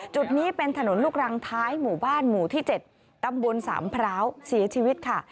จุดนี้เป็นถนนลูกรังท้ายหมู่บ้านหมู่ที่๗ตำบลสามพร้าวเสียชีวิตค่ะ